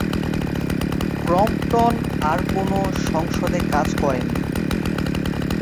Crompton আর কোন সংসদে কাজ করেননি।